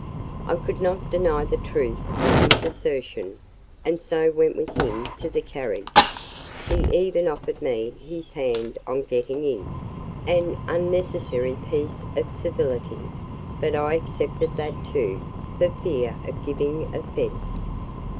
I could not deny the truth of his assertion, and so went with him to the carriage; he even offered me his hand on getting in: an unnecessary piece of civility, but I accepted that too, for fear of giving offence.